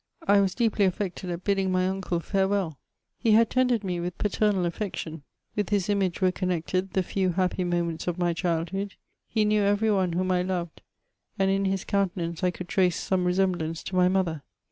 I was deeply affected at bidding my uncle farewell ; he had tended me wiUi paternal affection ; with his image were connected the few ^ nappy moments of my childhood ; he knew every one whom I loved ; and in his countenance I could trace some resemblance to my mother.